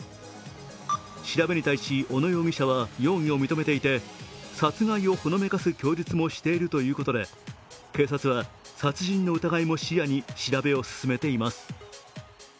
調べに対し、小野容疑者は容疑を認めていて殺害をほのめかす供述もしているということで警察は殺人の疑いも視野に調べを進めています。